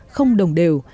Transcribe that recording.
không đồng đều